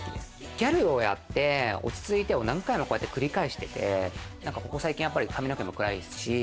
ギャルをやって落ち着いても何回も繰り返してて、ここ最近、髪の毛も暗いですし。